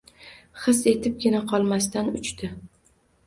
His etibgina qolmasdan uchdi.